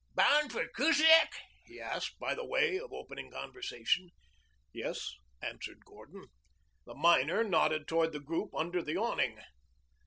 "Bound for Kusiak?" he asked, by way of opening conversation. "Yes," answered Gordon. The miner nodded toward the group under the awning.